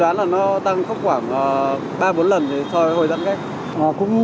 đoán là nó tăng khoảng ba bốn lần so với hồi giãn cách